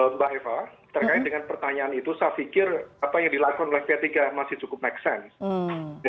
mbak eva terkait dengan pertanyaan itu saya pikir apa yang dilakukan oleh p tiga masih cukup make sense